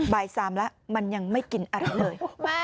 บ่าย๓แล้วมันยังไม่กินอะไรเลย